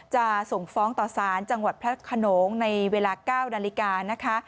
จะส่งฟ้องต่อสารจังหวัดพระขนงในเวลา๙นาฬิกานะคะ